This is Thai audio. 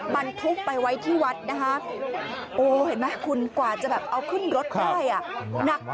บรรทุกไปไว้ที่วัดนะคะโอ้เห็นไหมคุณกว่าจะแบบเอาขึ้นรถได้อ่ะหนัก